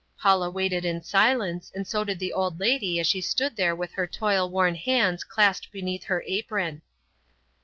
Paula waited in silence, and so did the old lady as she stood there with her rough, toil worn hands clasped beneath her apron.